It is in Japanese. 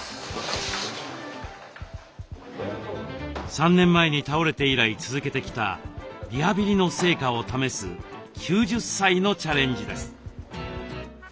３年前に倒れて以来続けてきたリハビリの成果を試す９０歳のチャレンジです。